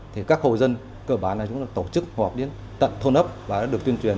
thì các hộ dân cơ bản là chúng ta tổ chức họp đến tận thôn ấp và đã được tuyên truyền